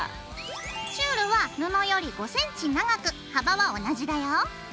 チュールは布より５ｃｍ長く幅は同じだよ。